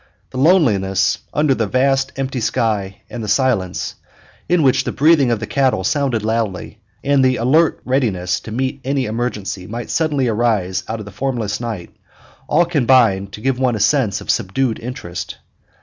The loneliness, under the vast empty sky, and the silence, in which the breathing of the cattle sounded loud, and the alert readiness to meet any emergency which might suddenly arise out of the formless night, all combined to give one a sense of subdued interest.